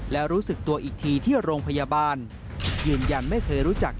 และรู้สึกตัวอีกทีที่โรงพยาบาลยืนยันไม่เคยรู้จัก